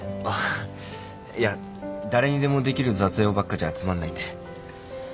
あっいや誰にでもできる雑用ばっかじゃつまんないんで